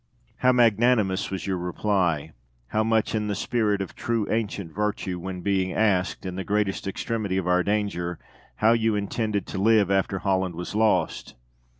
De Witt. How magnanimous was your reply, how much in the spirit of true ancient virtue, when being asked, in the greatest extremity of our danger, "How you intended to live after Holland was lost?"